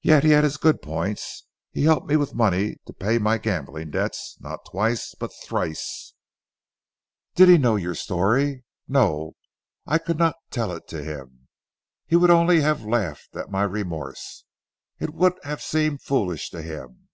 "Yet he had his good points. He helped me with money to pay my gambling debts not twice, but thrice." "Did he know your story?" "No, I could not tell it to him, he would only have laughed at my remorse. It would have seemed foolish to him.